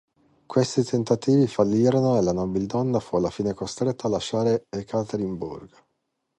Questi tentativi fallirono e la nobildonna fu alla fine costretta a lasciare Ekaterinburg.